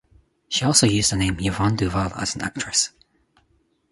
She also used the name Yvonne Duval as an actress.